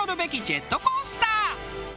ジェットコースター。